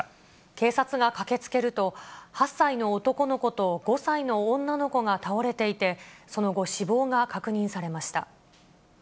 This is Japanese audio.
警察が駆けつけると、８歳の男の子と５歳の女の子が倒れていて、その後、死亡が確認されました。